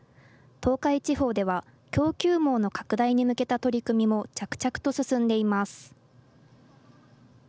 東海地方では、供給網の拡大に向けた取り組みも着々と進んでいます。